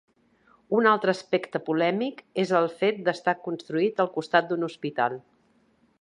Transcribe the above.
Un altre aspecte polèmic és el fet d'estar construït al costat d'un hospital.